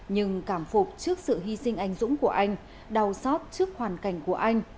nhưng cảm phục trước sự hy sinh anh dũng của anh đau xót trước hoàn cảnh của anh